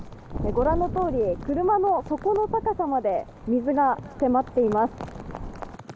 ご覧のとおり、車の底の高さまで水が迫っています。